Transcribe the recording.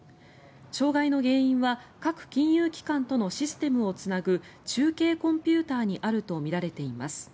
障害の原因は各金融機関とのシステムをつなぐ中継コンピューターにあるとみられています。